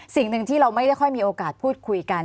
สิ่งหนึ่งที่เราไม่ได้ค่อยมีโอกาสพูดคุยกัน